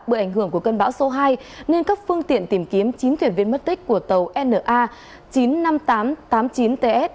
bởi ảnh hưởng của cơn bão số hai nên các phương tiện tìm kiếm chín tuyển viên mất tích của tàu na chín trăm năm mươi tám tám mươi chín ts